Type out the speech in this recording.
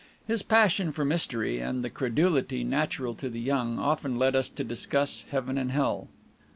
His passion for mystery, and the credulity natural to the young, often led us to discuss Heaven and Hell.